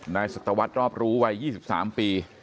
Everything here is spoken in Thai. ไนท์สัตวรรค์รอบรู้วัย๒๓ปี